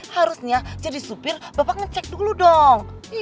harusnya jadi supir bapak ngecek dulu dong